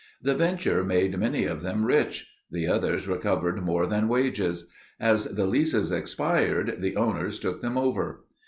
The venture made many of them rich. The others recovered more than wages. As the leases expired the owners took them over.